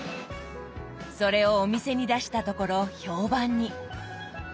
それをお店に出したところ評判に。